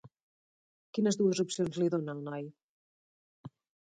Quines dues opcions li dona, el noi?